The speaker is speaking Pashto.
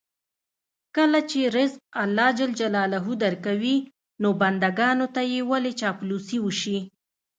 کله چې رزق الله ج درکوي، نو بندګانو ته یې ولې چاپلوسي وشي.